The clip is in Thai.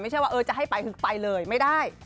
ไม่ใช่ว่าจะให้ไปคือไปเลยไม่ได้